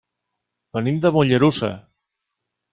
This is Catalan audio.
Venim de Mollerussa.